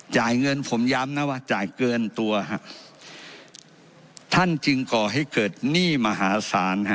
จ่ายเงินผมย้ำนะว่าจ่ายเกินตัวฮะท่านจึงก่อให้เกิดหนี้มหาศาลฮะ